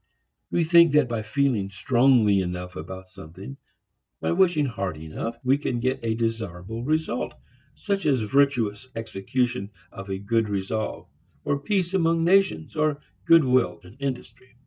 We think that by feeling strongly enough about something, by wishing hard enough, we can get a desirable result, such as virtuous execution of a good resolve, or peace among nations, or good will in industry.